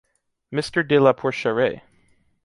Mister de la Porcheraie.